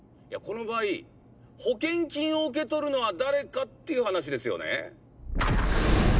いやこの場合保険金を受け取るのは誰かっていう話ですよね。